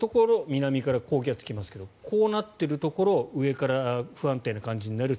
南から高気圧が来ますがこうなっているところ上から不安定な感じになる。